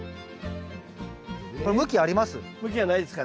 これ向きあります？